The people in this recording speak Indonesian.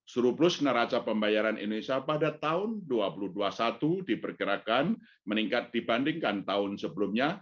surplus neraca pembayaran indonesia pada tahun dua ribu dua puluh satu diperkirakan meningkat dibandingkan tahun sebelumnya